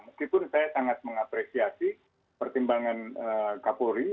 meskipun saya sangat mengapresiasi pertimbangan kapolri